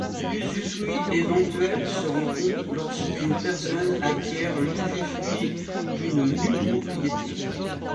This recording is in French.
L'usufruit éventuel se rencontre lorsqu'une personne acquiert l'usufruit d'une nue-propriété.